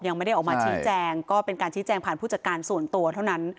ยังไม่ได้ออกมาชี้แจงก็เป็นการชี้แจงผ่านผู้จัดการส่วนตัวเท่านั้น